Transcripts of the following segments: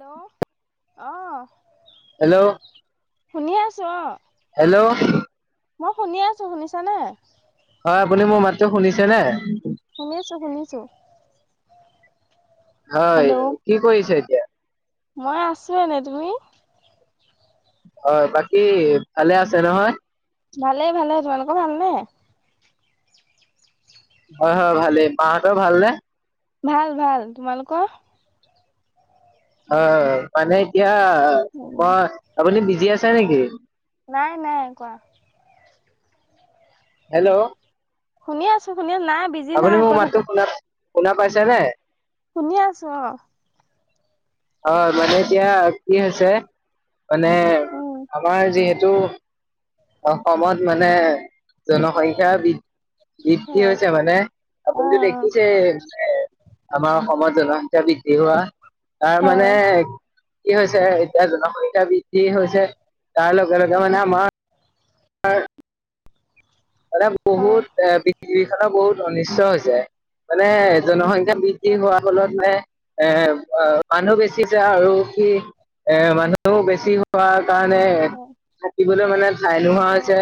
Hello. অহ hello শুনি আছো অ? হেল্ল'। মই শুনি আছো, শুনিছানে? হয়, আপুনি মোৰ মাতটো শুনিছে নে? শুনিছো শুনিছো হয় হেল্ল' কি কৰিছে? এতিয়া? মই আছো এনেই তুমি হয় বাকী ভালে আছে নহয়? ভালে ভালে। তোমালোক ভালনে? হয় হয় ভালেই মাহঁতৰ ভাল নে? ভাল ভাল। তোমালোকৰ? অ মানে এতিয়া উম মই আপুনি বিজি আছে নেকি নাই নাই কোৱা হেল্ল' শুনি আছো শুনি আছো নাই বিজি নাই আপুনি মোৰ আকৌ থাকা মাতটো শুনা শুনা পাইছে নে শুনি আছোঁ অ অ মানে এতিয়া কি হৈছে মানে উম আমাৰ যিহেতু অসমত মানে জনসংখ্যা বৃ- বৃদ্ধি হয় হৈছে মানে অ আপুনিতো দেখিছে এ আমাৰ অসমত জনস- সংখ্যা বৃদ্ধি হোৱা তাৰ মানে হয় কি হৈছে এতিয়া জনসংখ্যা বৃদ্ধি হৈছে তাৰ লগে লগে মানে আমাৰ হয় মানে হয় বহুত পৃথিৱীখনো বহুত অনিষ্ট হৈ যায়। মানে জনসংখ্যা বৃদ্ধি হোৱাৰ ফলত মানে এ মানুহ বেছি যায় আৰু কি এ মানুহ বেছি হোৱা কাৰণে হয় থাকিবলৈ মানে ঠাই নোহোৱা অ হৈছে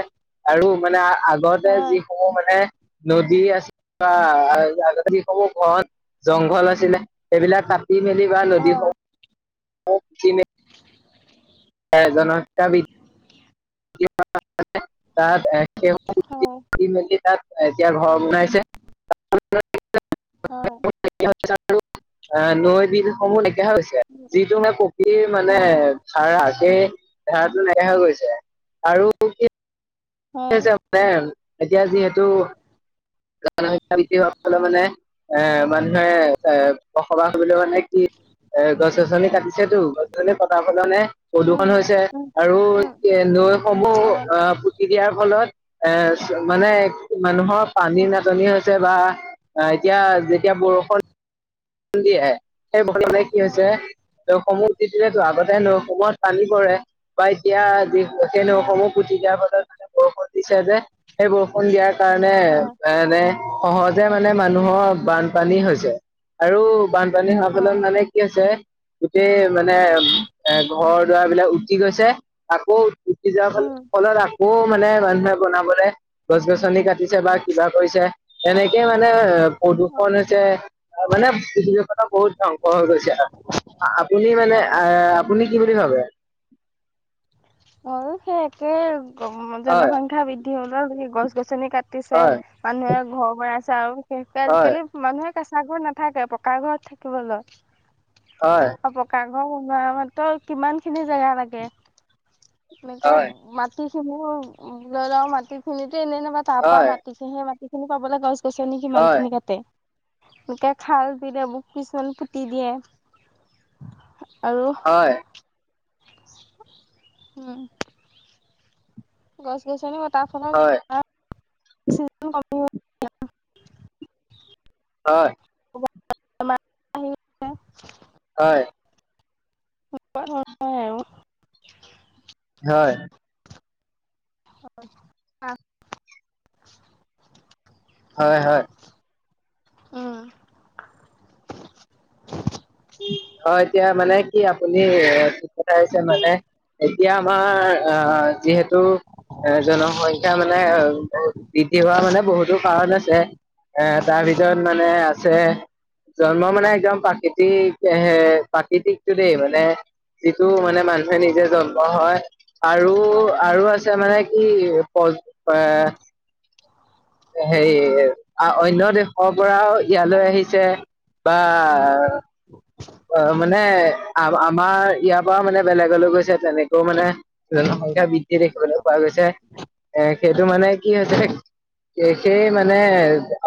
আৰু মানে আগতে হয় যিসমূহ মানে নদী আছিল আগতে যিসমূহ ঘৰত জংঘল আছিলে সেইবিলাক কাটি মেলি বা অ নদীসমূহ জনসংখ্যা বৃদ্ধি [unintelligible] হয় এতিয়া ঘৰ বনাইছে। হয় [unintelligible] ব্ৰিজ সমূহ নাইকীয়া হৈ গৈছে যিটো হে কপিৰ মানে হয় ধাৰা এই ধাৰাটো নেদেখা গৈছে আৰু কি হয় আছে মানে এতিয়া যিহেতু জনসংখ্যা বৃদ্ধি হোৱাৰ ফলত মানে এ মানুহে এ বসবাস কৰিববলৈ মানে ইত এ গছ গছনি কাটিছেতো গছ গছনি কতাৰ কাৰণে উম প্ৰদূষণ হৈছে উম আৰু উম [unintelligible] সমূহ হয় অ'- পুতি দিয়াৰ ফলত এ মানে মানুহৰ পানীৰ উম নাটনি হৈছে বা এতিয়া যেতিয়া বৰষুণ দিয়ে সেই [unintelligible] কি হৈছে হয় সমূহ তেতিয়াতো আগতে নৈসমূহত পানী পৰে, বা এতিয়া যি সেই হয় নৈসমূহ পুতি দিয়াৰ ফলত মানে বৰষুণ দিছে যে, সেই বৰষুণ দিয়াৰ কাৰণে হয় এনে সহজে মানে মানুহৰ বানপানী হৈছে। আৰু বানপানী হোৱাৰ ফলত হয় মানে কি হৈছে গোটেই মানে এ ঘৰ-দুৱাৰবিলাক উটি গৈছে। আকৌ উটি যোৱাৰ ফল- উম ফলত আকৌ মানে মানুহে বনাবলে গছ-গছনি কাটিছে বা কিবা কৰিছে। এনেকেই মানে হয় প্ৰদূষণ হৈছে। মানে পৃথিৱীখনৰ বহুত ধ্বংস হৈ গৈছে। আপুনি মানে অ'- আপুনি কি বুলি ভাবে? অ' সেই একে গ- হয় জনসংখ্যা বৃদ্ধি হ'লে বুলি গছ-গছনি কা টিছে, হয় মানুহে ঘৰ বনাইছে আৰু বিশেষকে হয় আজিকালি মানুহে কেঁচা ঘৰ নাথাকে, পকা ঘৰত থাকিব লয়। হয় অ' পকা [unintelligible] তো কিমানখিনি জেগা লাগে। আমিতো হয় মাটিখিনিও লৈ লওঁ। মাটিখিনিত তেনে এনেবা তাৰ পৰা হয় মাটিকে সেই মাটিখিনি পাবলৈ গছ-গছনি হয় কিমানখিনি কাটে। এনেকে খাল দিলে মোক পিছল পুতি দিয়ে। আৰু হয় হম। গছ-গছনি কটাৰ ফলত হয় অক্সিজেন কমি হয়। [inaudible] হয়। [unintelligible] [inaudible] হয়। হয়। [unintelligible] হয় - হয়। হয়, হয়, এতিয়া মানে কি অ' আপুনি যি কথা কৈছে মানে এতিয়া আমাৰ অ'- যিহেতু এ জনসংখ্যা মানে অ'- বহুত বৃদ্ধি হোৱা মানে বহুতো কাৰণ আছে। এ তাৰ ভিতৰত মানে আছে জন্ম মানে একদম প্ৰাকৃতিক হে প্ৰাকৃতিকটো দেই। মানে যিটো মানে মানুহে নিজে জন্ম হয় আৰু - আৰু আছে মানে কি প- অ' হেৰি অ'- অন্য দেশৰ পৰাও ইয়ালৈ আহিছে। বা অ' মানে আম- আমাৰ ইয়াৰ পৰাও মানে বেলেগলৈ গৈছে তেনেকেও মানে জনসংখ্যা হয়, হয়, হয়, বৃদ্ধি দেখিবলৈ পোৱা গৈছে। এ সেইটো মানে কি হৈছে সেই মানে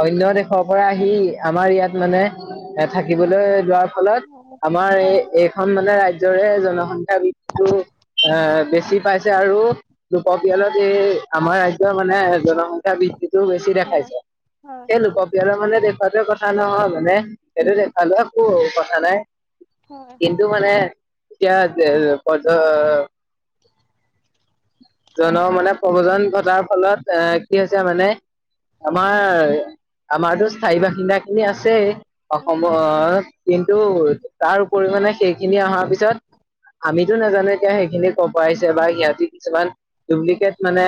অন্য দেশৰ পৰা আহি আমাৰ ইয়াত মানে থাকিবলৈ লোৱাৰ ফলত উম, আমাৰ এই- এইখন মানে ৰাজ্যৰে জনসংখ্যা বৃদ্ধিটো অ'- বেছি পাইছে আৰু লোকপিয়লত এই আমাৰ ৰাজ্যৰ মানে জনসংখ্যা বৃদ্ধি টো বেছি দেখাইছে। সেই লোক পিয়লৰ মানে দেখুৱাতে কথা নহয় মানে সেইটো। সেইটো দেখালেও একো কথা নাই। কিন্তু মানে এতিয়া প [unintelligible] জন মানে প্ৰৱজন ঘটাৰ ফলত এ কি হৈছে মানে আমাৰ আমাৰতো স্থায়ী বাসিন্দাখিনি আছেই অসমত, কিন্তু তাৰ পৰিমাণে সেইখিনি অহাৰ পিছত আমিতো নাজানো এতিয়া সেইখিনি ক পৰা আইছে বা সিহঁতি কিছুমান ডুপ্লিকেট মানে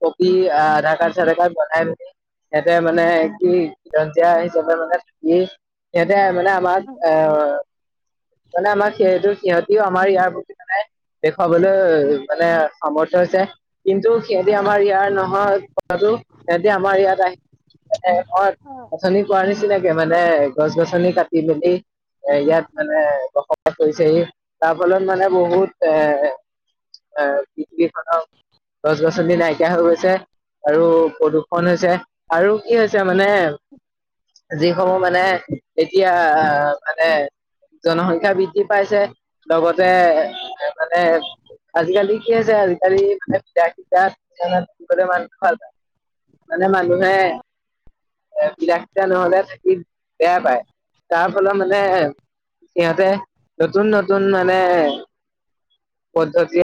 কপি আধাৰ কাৰ্ড চাদাৰ কাৰ্ড বনায় মে সিহঁতে মানে কি খিঞ্জিয়ীয়া হিচাপে মানে থাকি সিহঁতে হয়, মানে আমাৰ হয়, আহ মানে আমাৰ সিটো সিহঁত ইও আমাৰ ইয়াৰ প্ৰতি মানে দেখুৱাবলৈ মানে সামৰ্থ হৈছে। কিন্তু সিহঁতি হয়, আমাৰ ইয়াৰ নহয়টো। সিহঁতি আমাৰ ইয়াত আহ অ হয়। অথনি কোৱাৰ নিচিনাকে মানে গছ গছনি কাটি মেলি এ ইয়াত মানে বসবাস কৰিছেহি। তাৰ ফলত মানে বহুত এ আহ পৃথিৱীখনৰ গছ-গছনি নাইকিয়া হৈ গৈছে। আৰু প্ৰদূষণ হৈছে আৰু কি হৈছে মানে যিসমূহ মানে এতিয়া আহ মানে জনসংখ্যা বৃদ্ধি পাইছে। লগতে মানে আজিকালি কি আ হৈছে আজিকালি [unintelligible] মানে মানুহে বিলাসিতা নহলে থাকি বেয়া পায়। তাৰ ফলত মানে ইহঁতে নতুন-নতুন মানে পদ্ধতি